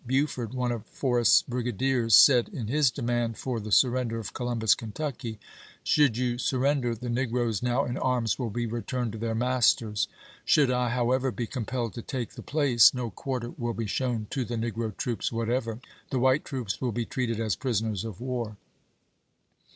Buford, one of For rest's brigadiers, said in his demand for the sur render of Columbus, Kentucky :" Should you sur render, the negroes now in arms will be returned to their masters. Should I, however, be compelled to take the place, no quarter will be shown to the negi'O troops whatever ; the white troops will be Ibid., p. 74. treated as prisoners of war."